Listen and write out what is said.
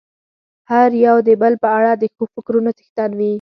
هر يو د بل په اړه د ښو فکرونو څښتن وي.